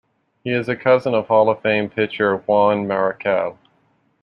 He is a cousin of Hall of Fame pitcher Juan Marichal.